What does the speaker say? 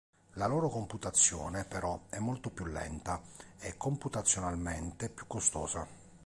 La loro computazione, però, è molto più lenta e computazionalmente più costosa.